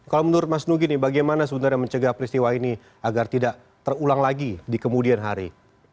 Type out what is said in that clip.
kalau menurut mas nugi nih bagaimana sebenarnya mencegah peristiwa ini agar tidak terulang lagi di kemudian hari